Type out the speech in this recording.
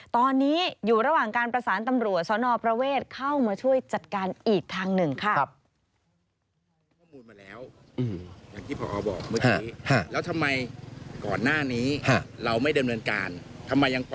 ตอนนี้อยู่ระหว่างการประสานตำรวจสนประเวทเข้ามาช่วยจัดการอีกทางหนึ่งค่ะ